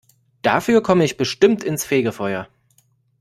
Dafür komme ich bestimmt ins Fegefeuer.